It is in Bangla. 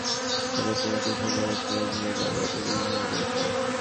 মনে পড়েশাহিন মাহফুজআনন্দে মনে পড়ে দুখেও মনে পড়েঘুমে জাগরণে নির্ঘুমে মনে পড়ে।